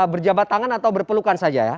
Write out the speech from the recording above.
berjabat tangan atau berpelukan saja ya